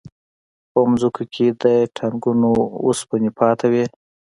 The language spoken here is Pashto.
په ځمکو کې د ټانکونو وسپنې پاتې وې